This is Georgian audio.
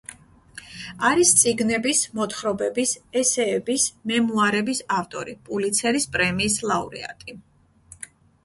არის წიგნების, მოთხრობების ესეების, მემუარების ავტორი, პულიცერის პრემიის ლაურეატი.